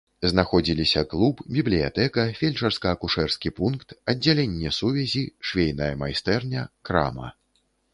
Знаходзіліся клуб, бібліятэка, фельчарска-акушэрскі пункт, аддзяленне сувязі, швейная майстэрня, крама.